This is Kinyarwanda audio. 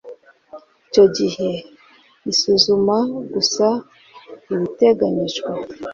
icyo gihe isuzuma gusa ibiteganyijwe